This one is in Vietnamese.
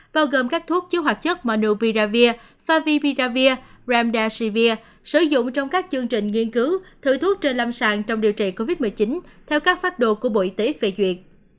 bao gồm các thuốc chứa hoạt chất monupiravir favipiravir remdesivir sử dụng trong các chương trình nghiên cứu thử thuốc trên lâm sàn trong điều trị covid một mươi chín theo các phát đồ của bộ y tế phê duyệt